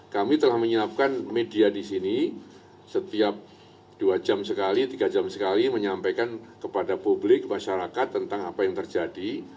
kami telah menyiapkan media di sini setiap dua jam sekali tiga jam sekali menyampaikan kepada publik masyarakat tentang apa yang terjadi